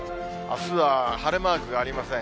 あすは晴れマークがありません。